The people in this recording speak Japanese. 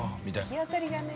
◆日当たりがね。